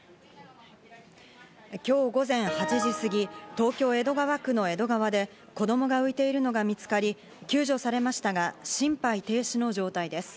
今日午前８時すぎ、東京・江戸川区の江戸川で子供が浮いているのが見つかり、救助されましたが心肺停止の状態です。